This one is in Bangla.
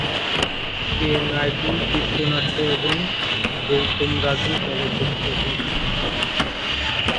কে নাইডু চিত্রনাট্য এবং গৌতম রাজু চলচ্চিত্রটির সম্পাদক।